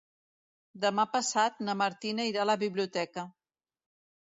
Demà passat na Martina irà a la biblioteca.